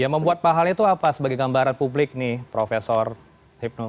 membuat pahal itu apa sebagai gambaran publik nih profesor hypno